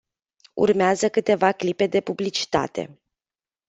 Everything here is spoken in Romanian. Urmează câteva clipe de publicitate.